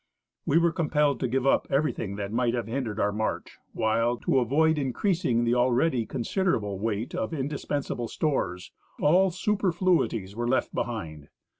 We were com pelled to give up everything that might have hindered our march, while, to avoid increasing the already considerable weight of in dispensable stores, all superfluities were left behind.